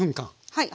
はい。